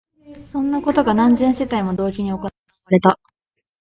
そんなことが何千世帯も同時に行われた